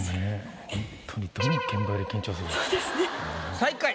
最下位。